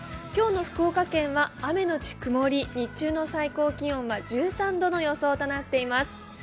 今日の福岡県は雨のち曇り日中の最高気温が１３度の予想となっています。